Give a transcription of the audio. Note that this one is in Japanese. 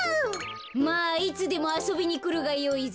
まあいつでもあそびにくるがよいぞ。